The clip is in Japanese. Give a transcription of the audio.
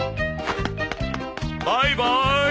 バイバーイ！